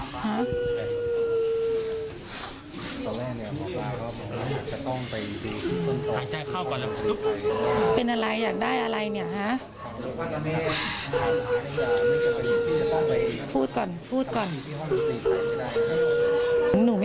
แม่บอกว่าจะต้องไปคุกส่วนตาม